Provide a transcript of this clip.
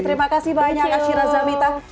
terima kasih banyak ashira zamita